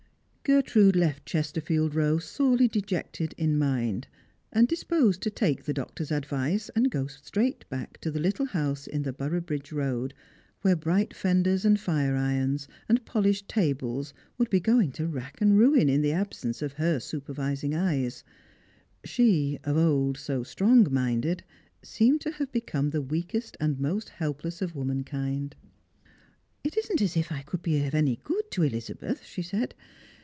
Gertrude left Chesterfield row sorely dejected in mind, and disposed to take the doctor's advice, and go straight back to the little house in the Boroughbridge road, where bright fenders and fire irons and polished tables would be going to rack and ruin in the absence of her supervising eye. She, of old so strong minded, seemed to have become the weakest and most helpless of womankind. " It isn't as if I could be any good to Elizabeth," she said.